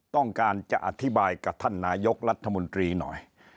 ต้องการจะอธิบายกับท่านนายกรัฐมนตรีหน่อย